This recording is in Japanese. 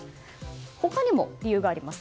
他にも理由があります。